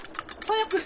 早く！